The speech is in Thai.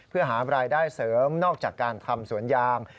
เพื่อหารายได้เสริมนอกจากการทำสวนยาง